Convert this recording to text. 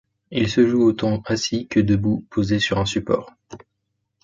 Il se joue autant assis que debout, posé sur un support.